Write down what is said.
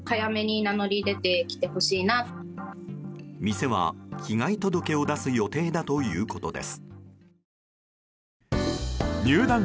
店は被害届を出す予定だということです。